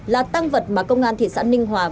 là tăng vật mà công an thị xã ninh hòa